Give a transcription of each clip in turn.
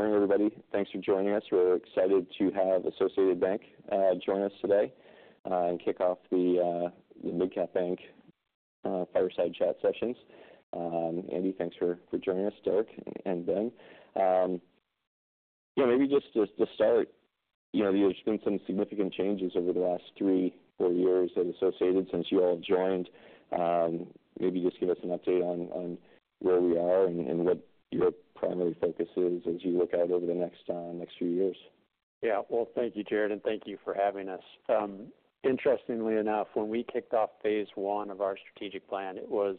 Morning, everybody. Thanks for joining us. We're excited to have Associated Bank join us today, and kick off the Mid-Cap Bank Fireside Chat sessions. Andy, thanks for joining us, Derek and Ben. Yeah, maybe just to start, you know, there's been some significant changes over the last three, four years at Associated since you all have joined. Maybe just give us an update on where we are and what your primary focus is as you look out over the next few years. Yeah. Well, thank you, Jared, and thank you for having us. Interestingly enough, when we kicked off phase I of our strategic plan, it was,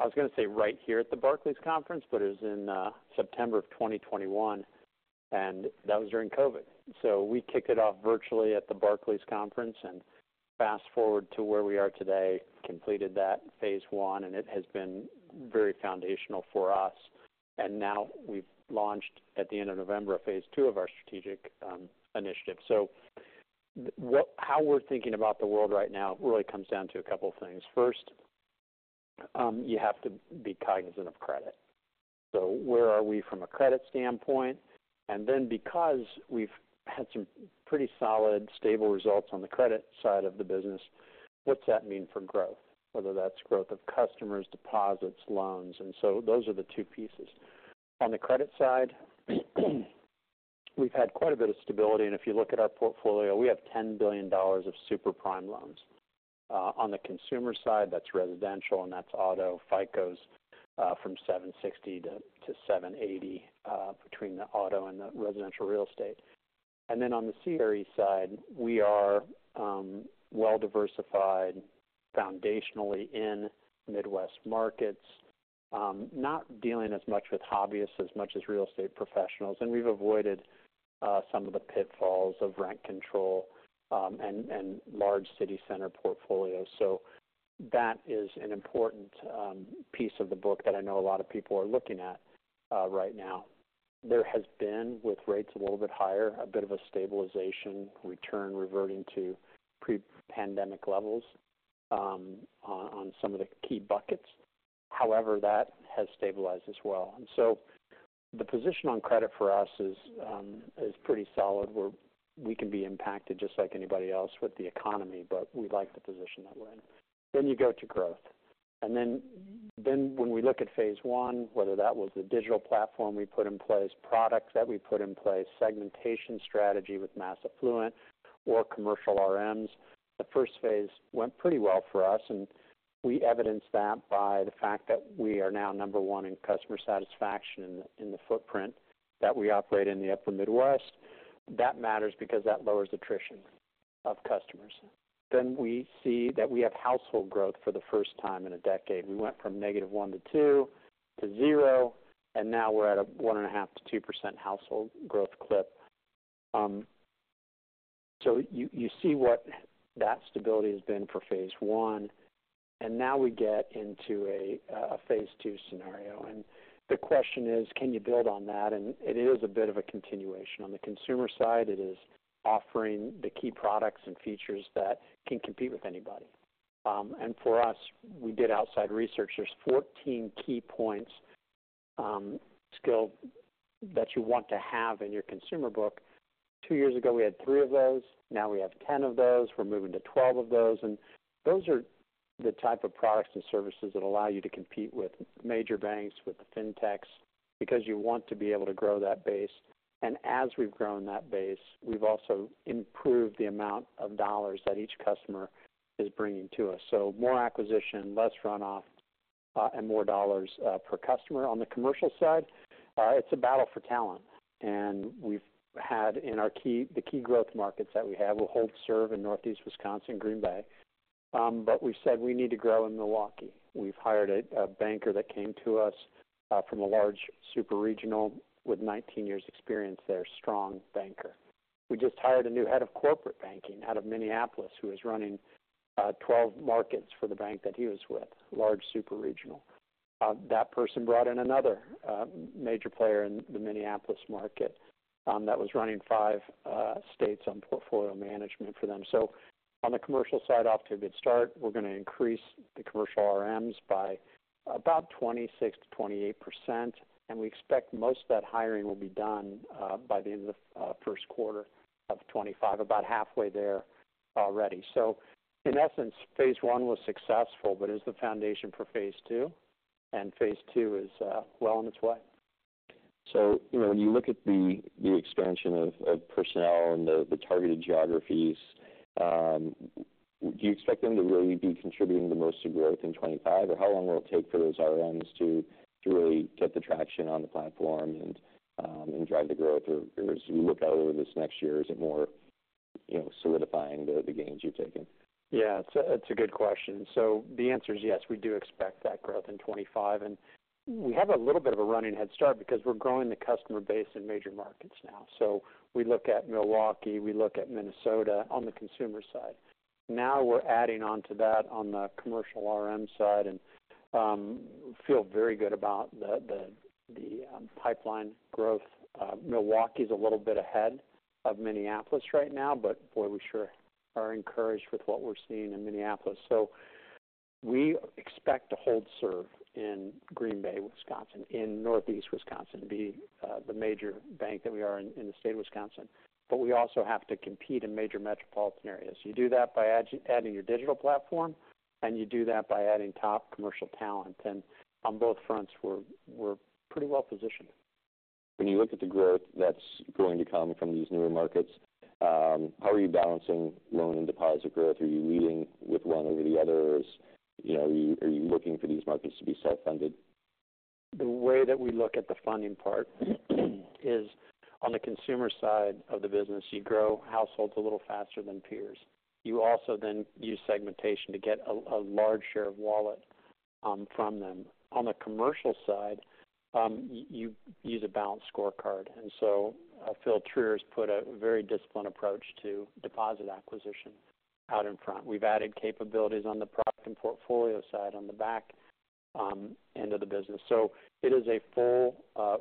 I was gonna say right here at the Barclays conference, but it was in September of 2021, and that was during COVID. So we kicked it off virtually at the Barclays conference, and fast-forward to where we are today, completed that phase I, and it has been very foundational for us. And now we've launched, at the end of November, phase II of our strategic initiative. So, how we're thinking about the world right now really comes down to a couple of things. First, you have to be cognizant of credit. So where are we from a credit standpoint? And then, because we've had some pretty solid, stable results on the credit side of the business, what's that mean for growth? Whether that's growth of customers, deposits, loans, and so those are the two pieces. On the credit side, we've had quite a bit of stability, and if you look at our portfolio, we have $10 billion of super prime loans. On the consumer side, that's residential and that's auto. FICO's from 760 to 780 between the auto and the residential real estate. And then on the CRE side, we are well-diversified foundationally in Midwest markets, not dealing as much with hobbyists as real estate professionals. And we've avoided some of the pitfalls of rent control, and large city center portfolios. So that is an important piece of the book that I know a lot of people are looking at right now. There has been, with rates a little bit higher, a bit of a stabilization return, reverting to pre-pandemic levels, on some of the key buckets. However, that has stabilized as well, so the position on credit for us is pretty solid, where we can be impacted just like anybody else with the economy, but we like the position that we're in, then you go to growth. And then when we look at phase one, whether that was the digital platform we put in place, products that we put in place, segmentation strategy with mass affluent or commercial RMs, the first phase went pretty well for us, and we evidenced that by the fact that we are now number one in customer satisfaction in the footprint that we operate in the upper Midwest. That matters because that lowers attrition of customers. Then we see that we have household growth for the first time in a decade. We went from negative one to two to zero, and now we're at a 1.5% to 2% household growth clip. So you see what that stability has been for phase I, and now we get into a phase II scenario. And the question is, can you build on that? And it is a bit of a continuation. On the consumer side, it is offering the key products and features that can compete with anybody. And for us, we did outside research. There's 14 key points, skill that you want to have in your consumer book. Two years ago, we had three of those. Now we have 10 of those. We're moving to 12 of those. And those are the type of products and services that allow you to compete with major banks, with the Fintechs, because you want to be able to grow that base. And as we've grown that base, we've also improved the amount of dollars that each customer is bringing to us. So more acquisition, less runoff, and more dollars per customer. On the commercial side, it's a battle for talent, and we've had in our key growth markets that we have, we'll hold serve in Northeast Wisconsin, Green Bay. But we've said we need to grow in Milwaukee. We've hired a banker that came to us from a large super regional with 19 years experience there, strong banker. We just hired a new head of corporate banking out of Minneapolis, who was running 12 markets for the bank that he was with, large super regional. That person brought in another major player in the Minneapolis market, that was running 5 states on portfolio management for them. So on the commercial side, off to a good start. We're gonna increase the commercial RMs by about 26%-28%, and we expect most of that hiring will be done by the end of the first quarter of 2025, about halfway there already. So in essence, phase one was successful, but is the foundation for phase II, and phase II is well on its way. So, you know, when you look at the expansion of personnel and the targeted geographies, do you expect them to really be contributing the most to growth in 2025? Or how long will it take for those RMs to really get the traction on the platform and drive the growth? Or as you look out over this next year, is it more, you know, solidifying the gains you've taken? Yeah, it's a good question. So the answer is yes, we do expect that growth in 2025, and we have a little bit of a running head start because we're growing the customer base in major markets now. So we look at Milwaukee, we look at Minnesota on the consumer side. Now we're adding on to that on the commercial RM side and feel very good about the pipeline growth. Milwaukee is a little bit ahead of Minneapolis right now, but boy, we sure are encouraged with what we're seeing in Minneapolis. We expect to hold serve in Green Bay, Wisconsin, in Northeast Wisconsin, be the major bank that we are in the state of Wisconsin. But we also have to compete in major metropolitan areas. You do that by adding your digital platform, and you do that by adding top commercial talent, and on both fronts, we're pretty well positioned. When you look at the growth that's going to come from these newer markets, how are you balancing loan and deposit growth? Are you leading with one over the other? Or is, you know, are you, are you looking for these markets to be self-funded? The way that we look at the funding part is on the consumer side of the business. You grow households a little faster than peers. You also then use segmentation to get a large share of wallet from them. On the commercial side, you use a balanced scorecard. And so, Phillip Trier has put a very disciplined approach to deposit acquisition out in front. We've added capabilities on the product and portfolio side, on the back end of the business. So it is a full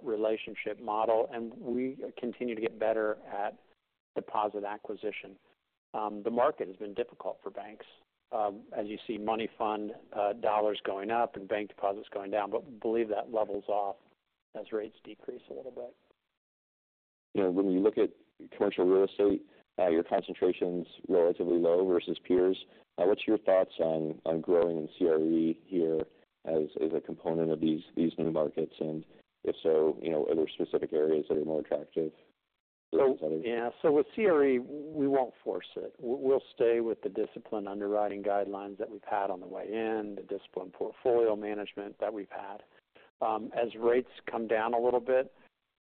relationship model, and we continue to get better at deposit acquisition. The market has been difficult for banks, as you see money fund dollars going up and bank deposits going down, but we believe that levels off as rates decrease a little bit. You know, when you look at commercial real estate, your concentration's relatively low versus peers. What's your thoughts on growing in CRE here as a component of these new markets? And if so, you know, are there specific areas that are more attractive than others? Yeah. With CRE, we won't force it. We'll stay with the disciplined underwriting guidelines that we've had on the way in, the disciplined portfolio management that we've had. As rates come down a little bit,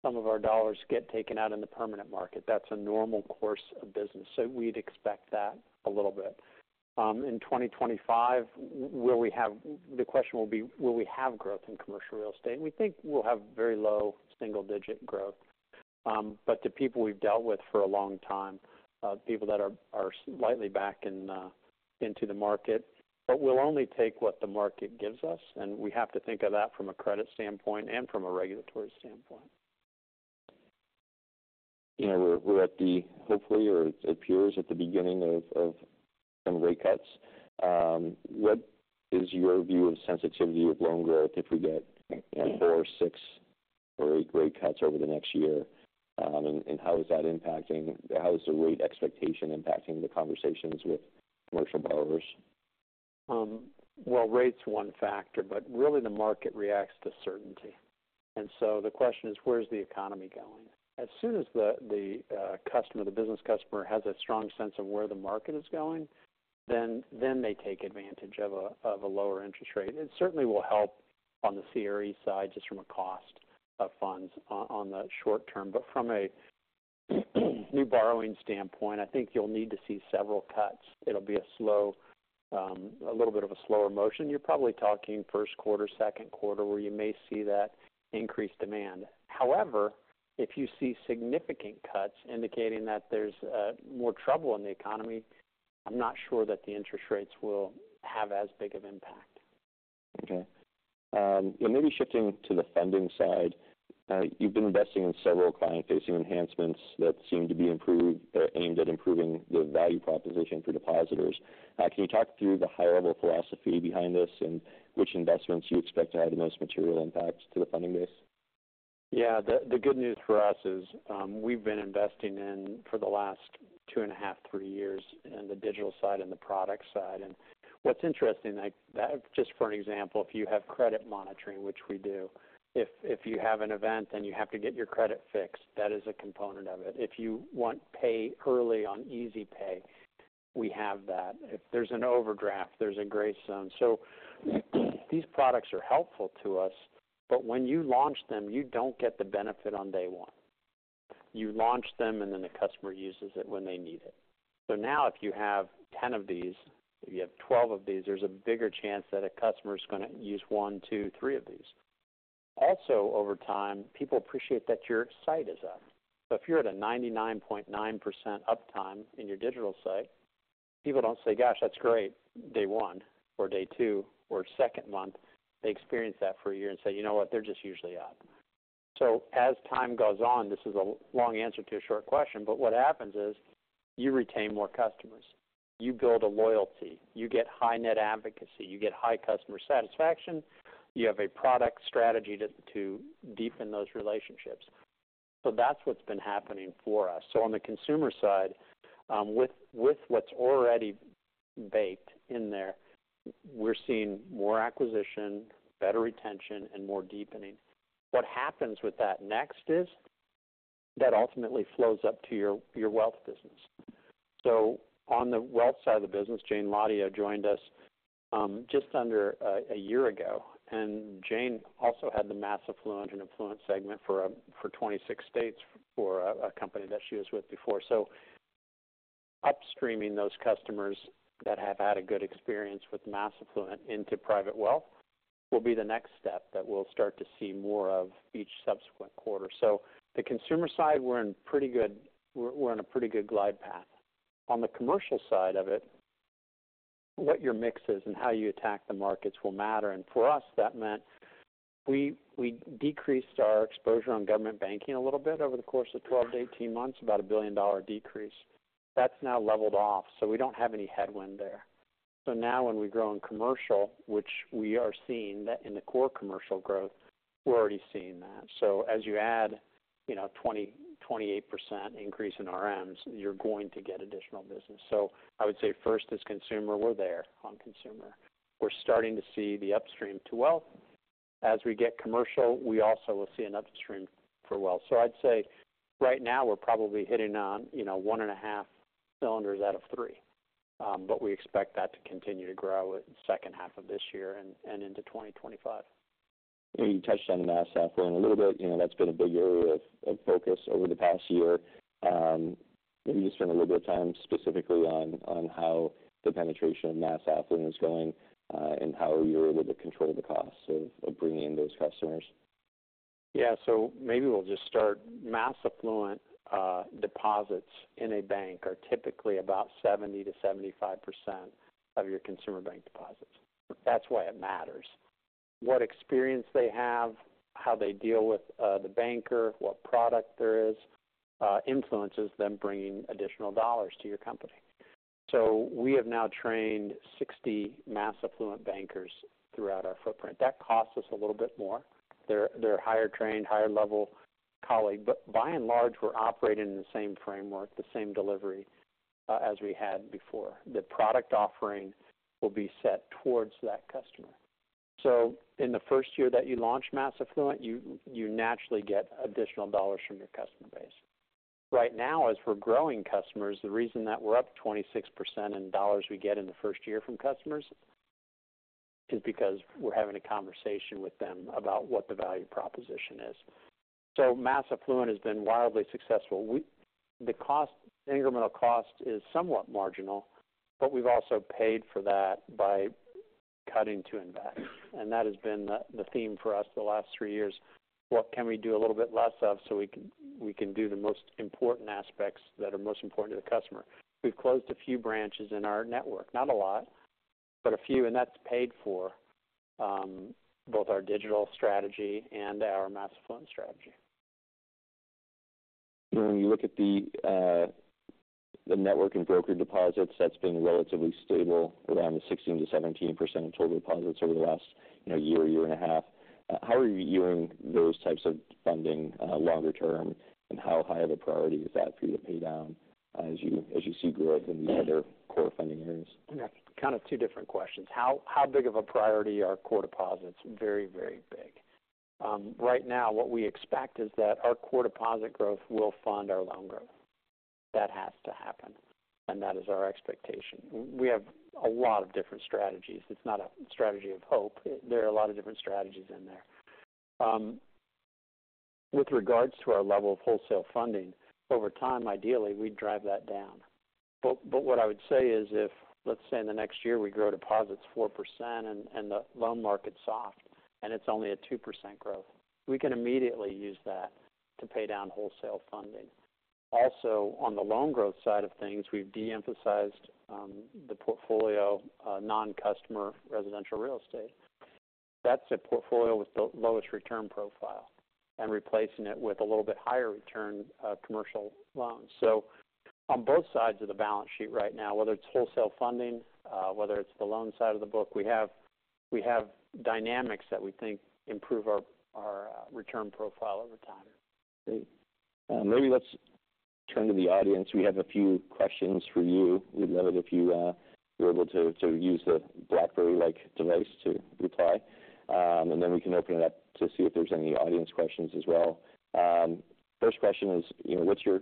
some of our dollars get taken out in the permanent market. That's a normal course of business, so we'd expect that a little bit. In 2025, the question will be: Will we have growth in commercial real estate, and we think we'll have very low single-digit growth, but the people we've dealt with for a long time, people that are slightly back into the market, but we'll only take what the market gives us, and we have to think of that from a credit standpoint and from a regulatory standpoint. You know, we're at the, hopefully, or it appears, at the beginning of some rate cuts. What is your view of sensitivity with loan growth if we get, you know, four, or six, or eight rate cuts over the next year? And how is the rate expectation impacting the conversations with commercial borrowers? Rate's one factor, but really, the market reacts to certainty. The question is, where's the economy going? As soon as the customer, the business customer, has a strong sense of where the market is going, then they take advantage of a lower interest rate. It certainly will help on the CRE side, just from a cost of funds on the short term. But from a new borrowing standpoint, I think you'll need to see several cuts. It'll be a slow, a little bit of a slower motion. You're probably talking first quarter, second quarter, where you may see that increased demand. However, if you see significant cuts indicating that there's more trouble in the economy, I'm not sure that the interest rates will have as big of impact. Okay. And maybe shifting to the funding side. You've been investing in several client-facing enhancements that seem to be improved or aimed at improving the value proposition for depositors. Can you talk through the high-level philosophy behind this, and which investments you expect to have the most material impact to the funding base? Yeah. The good news for us is, we've been investing in, for the last two and a half, three years, in the digital side and the product side. And what's interesting, like, that just for an example, if you have credit monitoring, which we do, if you have an event, then you have to get your credit fixed. That is a component of it. If you want pay early on EasyPay, we have that. If there's an overdraft, there's a grace zone. So these products are helpful to us, but when you launch them, you don't get the benefit on day one. You launch them, and then the customer uses it when they need it. So now, if you have ten of these, if you have twelve of these, there's a bigger chance that a customer is going to use one, two, three of these. Also, over time, people appreciate that your site is up. So if you're at a 99.9% uptime in your digital site, people don't say, "Gosh, that's great," day one or day two or second month. They experience that for a year and say, "You know what? They're just usually up." So as time goes on, this is a long answer to a short question, but what happens is, you retain more customers. You build a loyalty. You get high net advocacy. You get high customer satisfaction. You have a product strategy to, to deepen those relationships. So that's what's been happening for us. So on the consumer side, with, with what's already baked in there, we're seeing more acquisition, better retention, and more deepening. What happens with that next is, that ultimately flows up to your, your wealth business. On the wealth side of the business, Jayne Hladio joined us just under a year ago, and Jane also had the mass affluent and influence segment for 26 states for a company that she was with before. Upstreaming those customers that have had a good experience with mass affluent into private wealth will be the next step that we'll start to see more of each subsequent quarter. The consumer side, we're on a pretty good glide path. On the commercial side of it, what your mix is and how you attack the markets will matter. For us, that meant we decreased our exposure on government banking a little bit over the course of 12-18 months, about a $1 billion decrease. That's now leveled off, so we don't have any headwind there. So now when we grow in commercial, which we are seeing that in the core commercial growth, we're already seeing that. So as you add, you know, 20% to 28% increase in RMs, you're going to get additional business. So I would say first, as consumer, we're there on consumer. We're starting to see the upstream to wealth. As we get commercial, we also will see an upstream for wealth. So I'd say right now, we're probably hitting on, you know, one and a half cylinders out of three. But we expect that to continue to grow in the second half of this year and into 2025. You touched on mass affluent a little bit. You know, that's been a big area of focus over the past year. Maybe just spend a little bit of time specifically on how the penetration of mass affluent is going, and how you're able to control the costs of bringing in those customers. Yeah, so maybe we'll just start. Mass affluent deposits in a bank are typically about 70-75% of your consumer bank deposits. That's why it matters. What experience they have, how they deal with the banker, what product there is, influences them bringing additional dollars to your company. So we have now trained 60 mass affluent bankers throughout our footprint. That costs us a little bit more. They're higher trained, higher level colleague, but by and large, we're operating in the same framework, the same delivery as we had before. The product offering will be set towards that customer. So in the first year that you launch mass affluent, you naturally get additional dollars from your customer base. Right now, as we're growing customers, the reason that we're up 26% in dollars we get in the first year from customers, is because we're having a conversation with them about what the value proposition is. So mass affluent has been wildly successful. We, the cost, incremental cost is somewhat marginal, but we've also paid for that by cutting to invest. And that has been the theme for us for the last three years. What can we do a little bit less of, so we can do the most important aspects that are most important to the customer? We've closed a few branches in our network. Not a lot, but a few, and that's paid for both our digital strategy and our mass affluent strategy. When you look at the network and broker deposits, that's been relatively stable around the 16%-17% of total deposits over the last, you know, year, year and a half. How are you viewing those types of funding, longer term, and how high of a priority is that for you to pay down as you see growth in the other core funding areas? Kind of two different questions. How big of a priority are core deposits? Very, very big. Right now, what we expect is that our core deposit growth will fund our loan growth. That has to happen, and that is our expectation. We have a lot of different strategies. It's not a strategy of hope. There are a lot of different strategies in there. With regards to our level of wholesale funding, over time, ideally, we'd drive that down. But what I would say is if, let's say in the next year, we grow deposits 4% and the loan market's soft, and it's only a 2% growth, we can immediately use that to pay down wholesale funding. Also, on the loan growth side of things, we've de-emphasized the portfolio non-customer residential real estate. That's a portfolio with the lowest return profile and replacing it with a little bit higher return, commercial loans. So on both sides of the balance sheet right now, whether it's wholesale funding, whether it's the loan side of the book, we have dynamics that we think improve our return profile over time. Great. Maybe let's turn to the audience. We have a few questions for you. We'd love it if you were able to use the BlackBerry-like device to reply. And then we can open it up to see if there's any audience questions as well. First question is, you know, what's your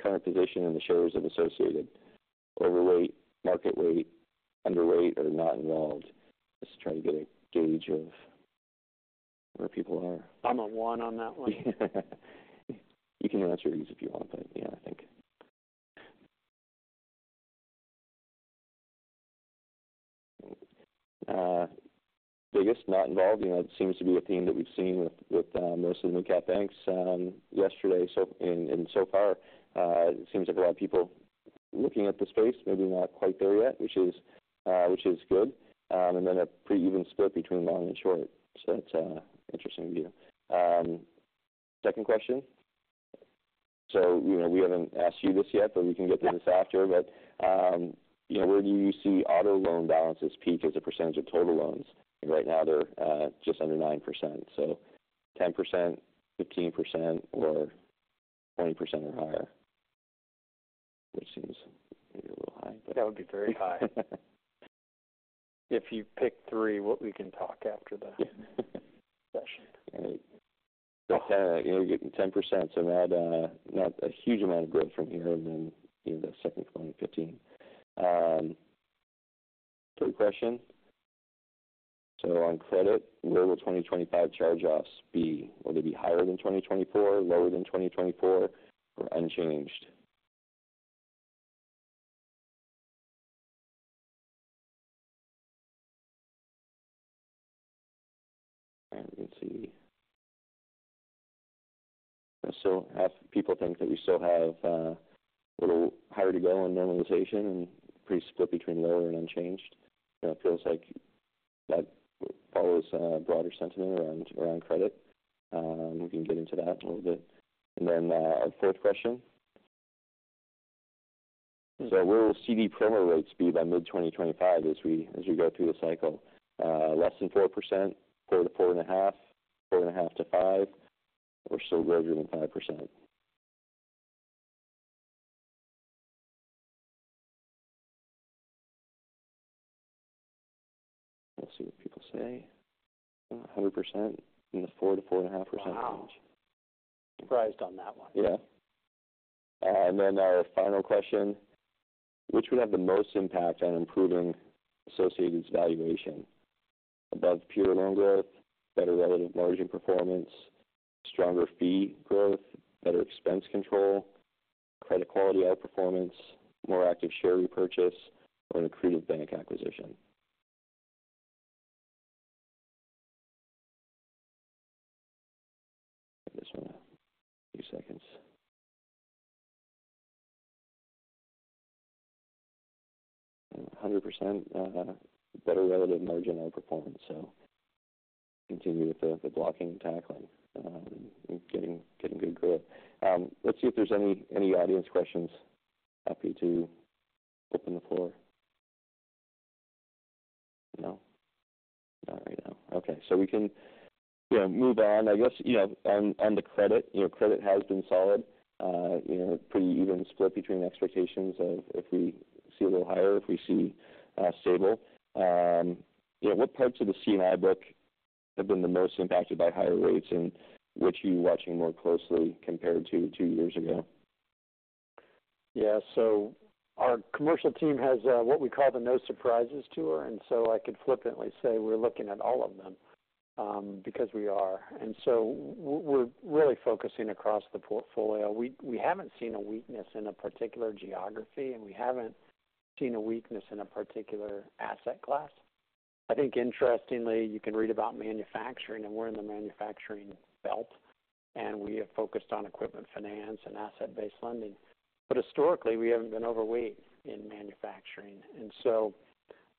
current position in the shares of Associated? Overweight, market weight, underweight, or not involved. Just trying to get a gauge of where people are. I'm a one on that one. You can answer these if you want, but yeah, I think. Biggest, not involved, you know, it seems to be a theme that we've seen with most of the mid-cap banks yesterday, so and so far. It seems like a lot of people looking at the space, maybe not quite there yet, which is good. And then a pretty even split between long and short. So it's interesting to hear. Second question. So, you know, we haven't asked you this yet, but we can get to this after. But, you know, where do you see auto loan balances peak as a percentage of total loans? Right now, they're just under 9%. So 10%, 15%, or 20% or higher, which seems maybe a little high, but- That would be very high. If you pick three, what we can talk after the session. Right. You're getting 10%, so not a huge amount of growth from here, then, you know, that second point, 15. Third question: so on credit, where will 2025 charge-offs be? Will they be higher than 2024, lower than 2024, or unchanged? Let's see.... so half people think that we still have a little higher to go on normalization, and pretty split between lower and unchanged. You know, it feels like that follows broader sentiment around credit. We can get into that a little bit. And then, our fourth question. So where will CD premier rates be by mid-2025 as we go through the cycle? Less than 4% to 4.5%, 4.5% to 5%, or so greater than 5%. We'll see what people say. 100% in the 4%-4.5% range. Wow! Surprised on that one. Yeah, and then our final question: Which would have the most impact on improving Associated's valuation? Above pure loan growth, better relative margin performance, stronger fee growth, better expense control, credit quality outperformance, more active share repurchase, or an accretive bank acquisition? This one, a few seconds. 100%, better relative margin outperformance. So continue with the blocking and tackling, and getting good growth. Let's see if there's any audience questions. Happy to open the floor. No? Not right now. Okay, so we can, you know, move on, I guess, you know, on the credit. You know, credit has been solid, you know, pretty even split between expectations of if we see a little higher, if we see stable. What parts of the C&I book have been the most impacted by higher rates, and what are you watching more closely compared to two years ago? Yeah. So our commercial team has what we call the no surprises tour, and so I could flippantly say we're looking at all of them, because we are. And so we're really focusing across the portfolio. We haven't seen a weakness in a particular geography, and we haven't seen a weakness in a particular asset class. I think interestingly, you can read about manufacturing, and we're in the manufacturing belt, and we have focused on equipment finance and asset-based lending. But historically, we haven't been overweight in manufacturing, and so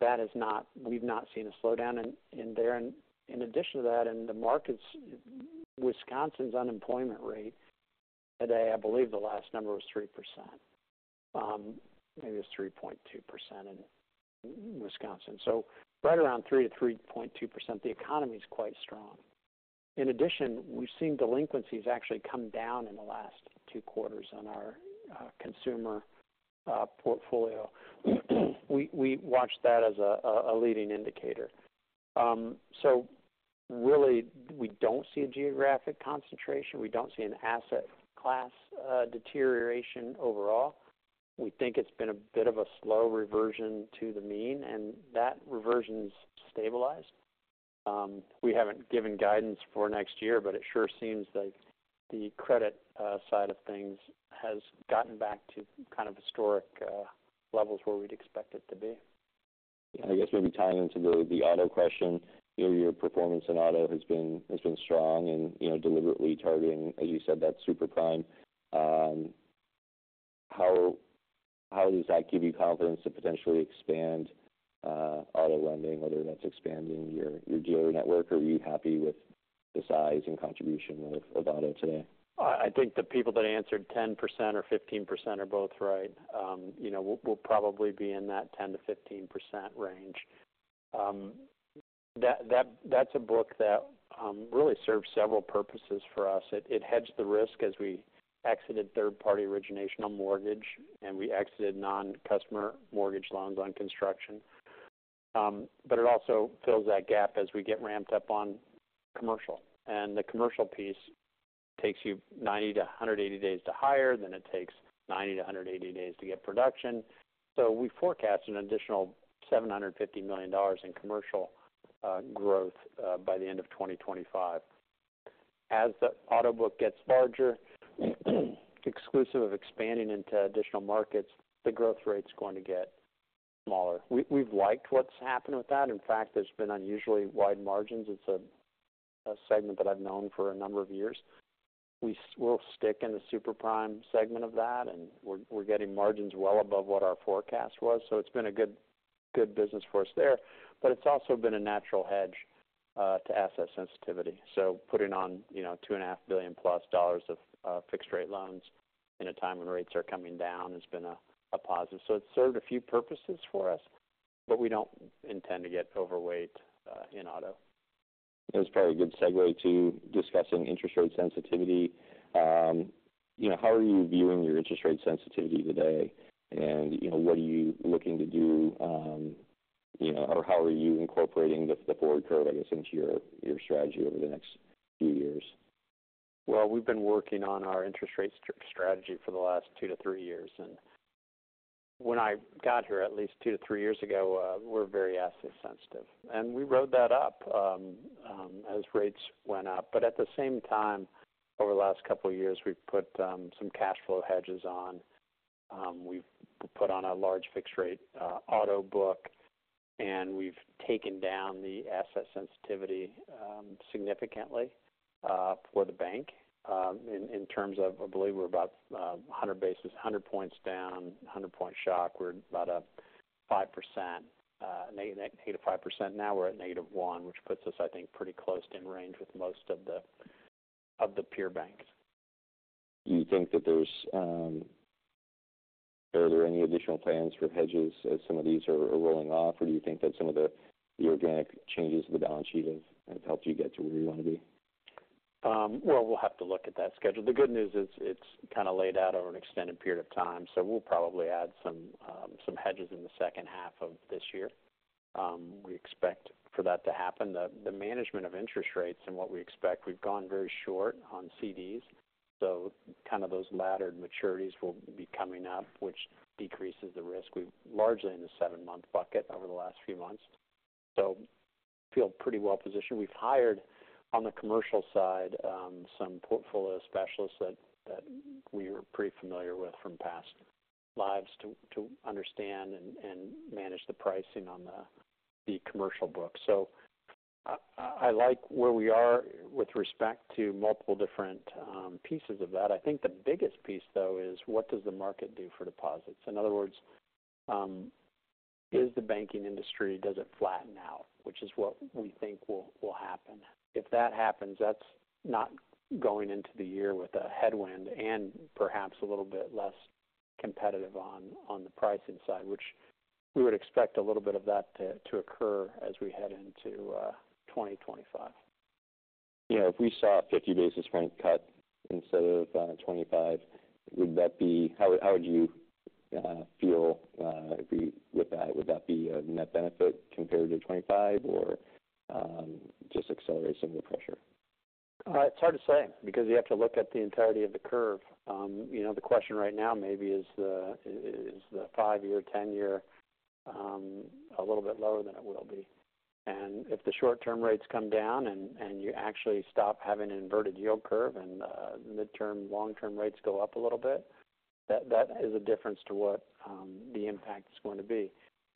that is not. We've not seen a slowdown in there. And in addition to that, in the markets, Wisconsin's unemployment rate today, I believe the last number was 3%. Maybe it's 3.2% in Wisconsin. So right around 3%-3.2%, the economy is quite strong. In addition, we've seen delinquencies actually come down in the last two quarters on our consumer portfolio. We watch that as a leading indicator. So really, we don't see a geographic concentration. We don't see an asset class deterioration overall. We think it's been a bit of a slow reversion to the mean, and that reversion's stabilized. We haven't given guidance for next year, but it sure seems like the credit side of things has gotten back to kind of historic levels where we'd expect it to be. I guess maybe tying into the auto question, you know, your performance in auto has been strong and, you know, deliberately targeting, as you said, that super prime. How does that give you confidence to potentially expand auto lending, whether that's expanding your dealer network, or are you happy with the size and contribution of auto today? I think the people that answered 10% or 15% are both right. You know, we'll probably be in that 10%-15% range. That's a book that really serves several purposes for us. It hedges the risk as we exited third-party origination on mortgage, and we exited non-customer mortgage loans on construction, but it also fills that gap as we get ramped up on commercial, and the commercial piece takes 90-180 days to hire, then it takes 90-180 days to get production, so we forecast an additional $750 million in commercial growth by the end of 2025. As the auto book gets larger, exclusive of expanding into additional markets, the growth rate is going to get smaller. We've liked what's happened with that. In fact, there's been unusually wide margins. It's a segment that I've known for a number of years. We'll stick in the super prime segment of that, and we're getting margins well above what our forecast was, so it's been a good business for us there. But it's also been a natural hedge to asset sensitivity. So putting on, you know, $2.5 billion+ of fixed rate loans in a time when rates are coming down has been a positive. So it's served a few purposes for us, but we don't intend to get overweight in auto. It was probably a good segue to discussing interest rate sensitivity. You know, how are you viewing your interest rate sensitivity today? And, you know, what are you looking to do, you know, or how are you incorporating the forward curve, I guess, into your strategy over the next few years? We've been working on our interest rate strategy for the last two to three years, and when I got here, at least two to three years ago, we're very asset sensitive. We rode that up as rates went up. At the same time, over the last couple of years, we've put some cash flow hedges on. We've put on a large fixed rate auto book, and we've taken down the asset sensitivity significantly for the bank. In terms of, I believe we're about a hundred basis points down, a hundred point shock. We're about 5%, negative 5%. Now we're at negative 1%, which puts us, I think, pretty close in range with most of the peer banks. Do you think that there's, are there any additional plans for hedges as some of these are rolling off? Or do you think that some of the organic changes in the balance sheet have helped you get to where you want to be? Well, we'll have to look at that schedule. The good news is it's kind of laid out over an extended period of time, so we'll probably add some hedges in the second half of this year. We expect for that to happen. The management of interest rates and what we expect, we've gone very short on CDs, so kind of those latter maturities will be coming up, which decreases the risk. We've largely in the 7 month bucket over the last few months, so feel pretty well positioned. We've hired, on the commercial side, some portfolio specialists that we are pretty familiar with from past lives, to understand and manage the pricing on the commercial book. So I like where we are with respect to multiple different pieces of that. I think the biggest piece, though, is what does the market do for deposits. In other words, is the banking industry, does it flatten out. Which is what we think will happen. If that happens, that's not going into the year with a headwind and perhaps a little bit less competitive on the pricing side, which we would expect a little bit of that to occur as we head into 2025. You know, if we saw a 50 basis points cut instead of 25, would that be? How would you feel about that? Would that be a net benefit compared to 25, or just accelerate some of the pressure? It's hard to say because you have to look at the entirety of the curve. You know, the question right now maybe is the 5 year, 10 year a little bit lower than it will be, and if the short-term rates come down and you actually stop having an inverted yield curve, and midterm, long-term rates go up a little bit, that is a difference to what the impact is going to be.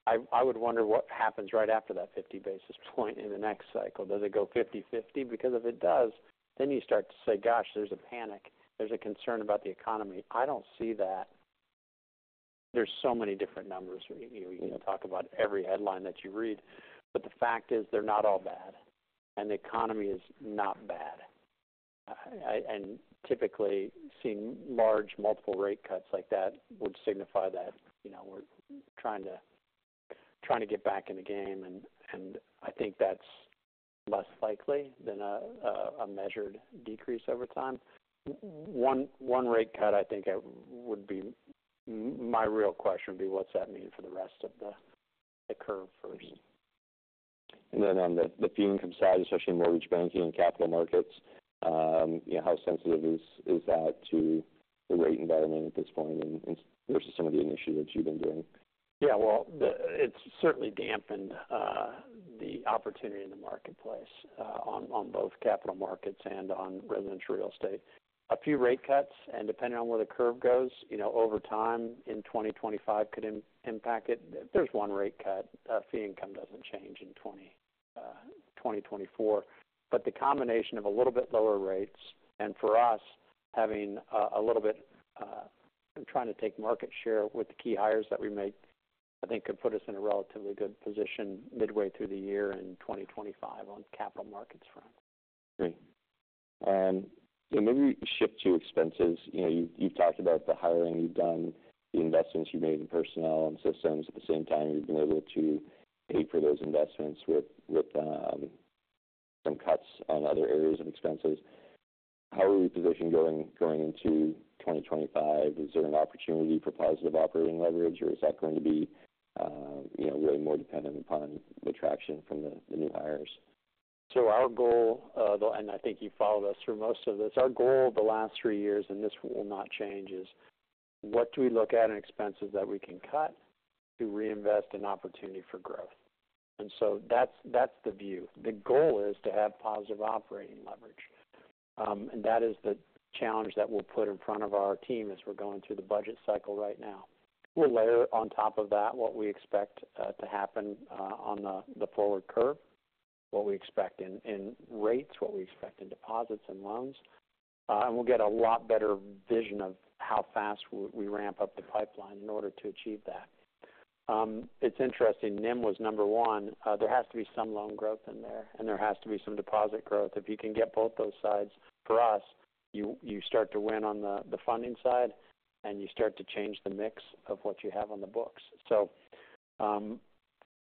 I would wonder what happens right after that fifty basis point in the next cycle. Does it go fifty/fifty? Because if it does, then you start to say, gosh, there's a panic. There's a concern about the economy. I don't see that. There's so many different numbers. You can talk about every headline that you read, but the fact is, they're not all bad, and the economy is not bad. And typically, seeing large multiple rate cuts like that would signify that, you know, we're trying to get back in the game, and I think that's less likely than a measured decrease over time. One rate cut, I think, would be... My real question would be, what's that mean for the rest of the curve first? And then on the fee income side, especially in mortgage banking and capital markets, you know, how sensitive is that to the rate environment at this point and versus some of the initiatives you've been doing? Yeah, well, it's certainly dampened the opportunity in the marketplace on both capital markets and on residential real estate. A few rate cuts, and depending on where the curve goes, you know, over time in 2025 could impact it. If there's one rate cut, fee income doesn't change in 2024. But the combination of a little bit lower rates and for us, having a little bit and trying to take market share with the key hires that we make, I think could put us in a relatively good position midway through the year in 2025 on capital markets front. Great. Maybe shift to expenses. You know, you've talked about the hiring you've done, the investments you've made in personnel and systems. At the same time, you've been able to pay for those investments with some cuts on other areas of expenses. How are we positioned going into twenty twenty-five? Is there an opportunity for positive operating leverage, or is that going to be, you know, really more dependent upon the traction from the new hires? Our goal, and I think you followed us through most of this. Our goal the last three years, and this will not change, is what do we look at in expenses that we can cut to reinvest in opportunity for growth? And so that's the view. The goal is to have positive operating leverage. And that is the challenge that we'll put in front of our team as we're going through the budget cycle right now. We'll layer on top of that what we expect to happen on the forward curve, what we expect in rates, what we expect in deposits and loans. And we'll get a lot better vision of how fast we ramp up the pipeline in order to achieve that. It's interesting, NIM was number one. There has to be some loan growth in there, and there has to be some deposit growth. If you can get both those sides, for us, you start to win on the funding side, and you start to change the mix of what you have on the books, so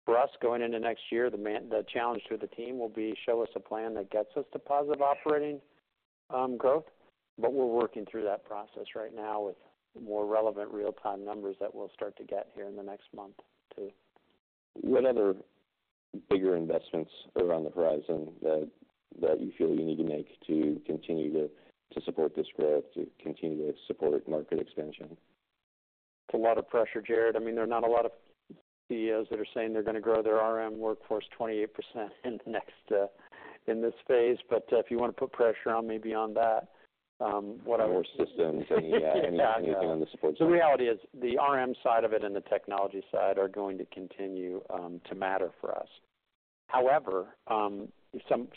for us, going into next year, the challenge to the team will be: Show us a plan that gets us to positive operating growth, but we're working through that process right now with more relevant real-time numbers that we'll start to get here in the next month or two. What other bigger investments are on the horizon that you feel you need to make to continue to support this growth, to continue to support market expansion? It's a lot of pressure, Jared. I mean, there are not a lot of CEOs that are saying they're going to grow their RM workforce 28% in the next, in this phase. But, if you want to put pressure on me beyond that, whatever- More systems, Yeah. Anything on the support side? The reality is the RM side of it and the technology side are going to continue to matter for us. However,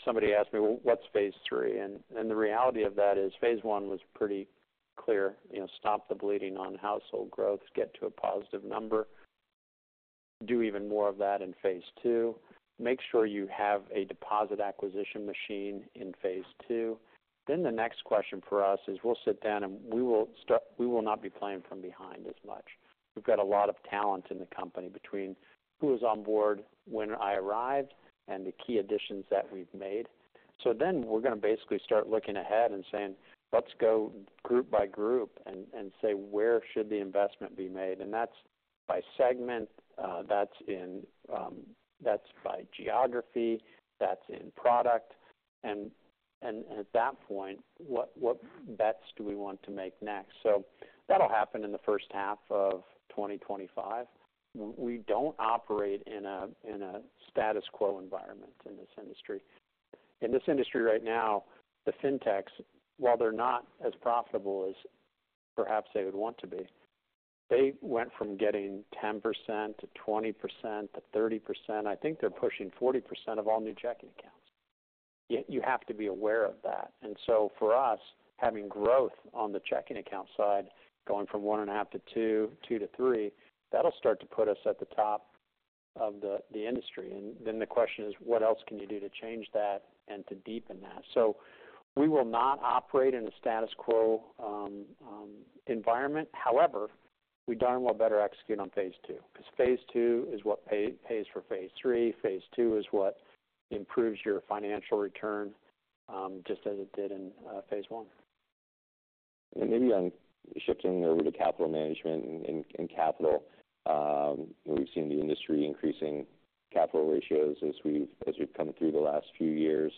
somebody asked me, "Well, what's phase three?" And the reality of that is phase one was pretty clear. You know, stop the bleeding on household growth, get to a positive number. Do even more of that in phase two. Make sure you have a deposit acquisition machine in phase two. Then the next question for us is, we'll sit down, and we will not be playing from behind as much. We've got a lot of talent in the company between who was on board when I arrived and the key additions that we've made. So then we're going to basically start looking ahead and saying, "Let's go group by group," and say, "Where should the investment be made?" And that's by segment, that's in, that's by geography, that's in product. And at that point, what bets do we want to make next? So that'll happen in the first half of 2025. We don't operate in a status quo environment in this industry. In this industry right now, the fintechs, while they're not as profitable as perhaps they would want to be, they went from getting 10% to 20% to 30%. I think they're pushing 40% of all new checking accounts. Yet you have to be aware of that. And so for us, having growth on the checking account side, going from one and a half to two, two to three, that'll start to put us at the top of the industry. And then the question is: What else can you do to change that and to deepen that? So we will not operate in a status quo environment. However, we darn well better execute on phase two, because phase two is what pays for phase three. Phase two is what improves your financial return, just as it did in phase one. And maybe on shifting over to capital management and capital. We've seen the industry increasing capital ratios as we've come through the last few years.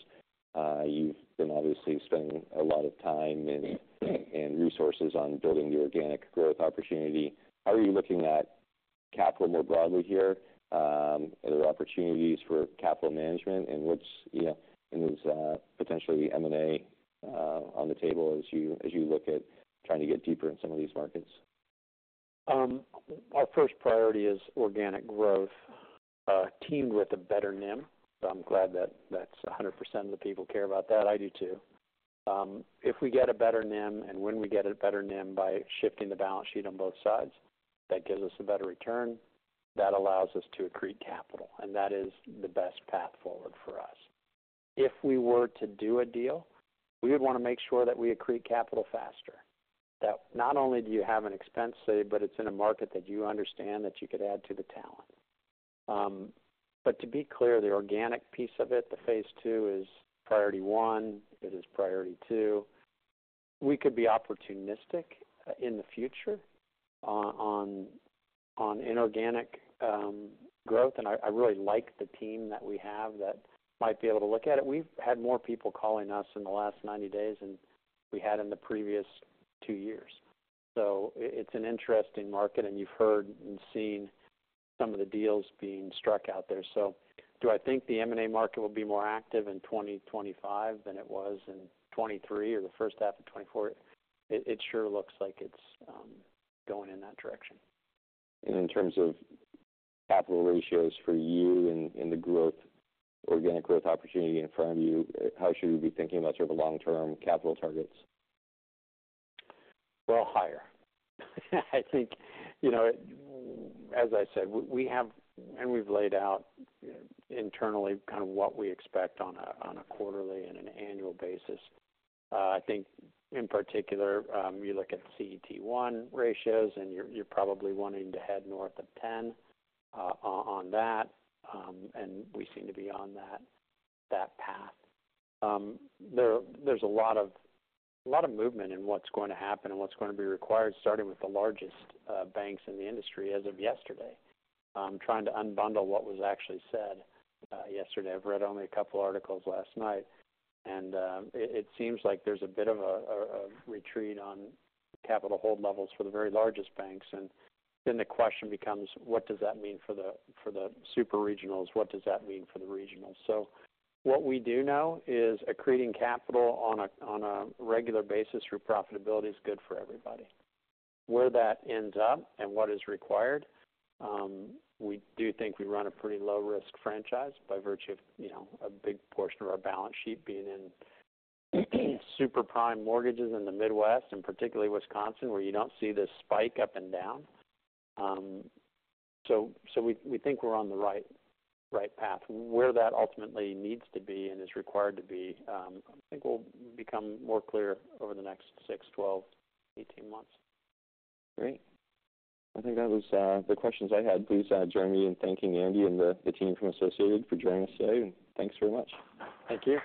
You've been obviously spending a lot of time and resources on building the organic growth opportunity. How are you looking at capital more broadly here? Are there opportunities for capital management, and what's, you know, is potentially M&A on the table as you look at trying to get deeper in some of these markets? Our first priority is organic growth, teamed with a better NIM. So I'm glad that that's 100% of the people care about that. I do, too. If we get a better NIM, and when we get a better NIM by shifting the balance sheet on both sides, that gives us a better return. That allows us to accrete capital, and that is the best path forward for us. If we were to do a deal, we would want to make sure that we accrete capital faster. That not only do you have an expense save, but it's in a market that you understand, that you could add to the talent. But to be clear, the organic piece of it, the phase II, is priority one. It is priority two. We could be opportunistic in the future on inorganic growth, and I really like the team that we have that might be able to look at it. We've had more people calling us in the last ninety days than we had in the previous two years. So it's an interesting market, and you've heard and seen some of the deals being struck out there. So do I think the M&A market will be more active in 2025 than it was in twenty twenty-three or the first half of 2024? It sure looks like it's going in that direction. And in terms of capital ratios for you and the growth, organic growth opportunity in front of you, how should we be thinking about sort of the long-term capital targets? Higher. I think, you know, as I said, we, we have and we've laid out internally kind of what we expect on a, on a quarterly and an annual basis. I think in particular, you look at CET1 ratios, and you're, you're probably wanting to head north of ten, on that, and we seem to be on that, that path. There's a lot of, a lot of movement in what's going to happen and what's going to be required, starting with the largest, banks in the industry as of yesterday. I'm trying to unbundle what was actually said, yesterday. I've read only a couple articles last night, and, it, it seems like there's a bit of retreat on capital hold levels for the very largest banks. Then the question becomes: What does that mean for the super regionals? What does that mean for the regionals? What we do know is accreting capital on a regular basis through profitability is good for everybody. Where that ends up and what is required, we do think we run a pretty low-risk franchise by virtue of, you know, a big portion of our balance sheet being in super prime mortgages in the Midwest, and particularly Wisconsin, where you don't see this spike up and down. We think we're on the right path. Where that ultimately needs to be and is required to be, I think will become more clear over the next 6, 12, 18 months. Great. I think that was the questions I had. Please, join me in thanking Andy and the team from Associated for joining us today, and thanks very much. Thank you.